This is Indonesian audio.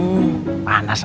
mukanya kayak orang stres gitu